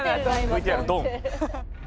ＶＴＲドン！。